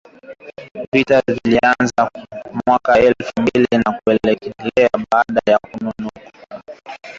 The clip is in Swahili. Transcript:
Vita vilianza mwaka elfu mbili na kuendelea baada ya kuvunjika kwa mkataba wa amani wa serikali ya Kongo